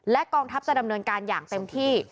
กองทัพจะดำเนินการอย่างเต็มที่